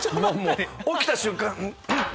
起きた瞬間むっ！